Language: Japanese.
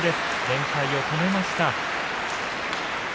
連敗を止めました。